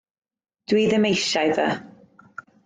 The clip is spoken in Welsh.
Dw i ddim eisiau fe.